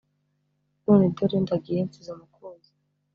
None dore ndagiye Nsize umukunzi